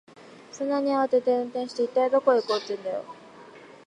そんなに慌てて運転して、一体どこへ行こうってんだよ。